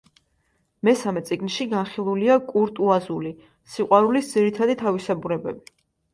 მესამე წიგნში განხილულია კურტუაზული სიყვარულის ძირითადი თავისებურებები.